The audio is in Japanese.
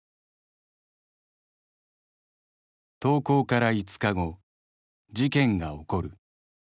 投稿から５日後事件が起こる。